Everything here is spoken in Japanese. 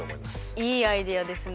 いいアイデアですね。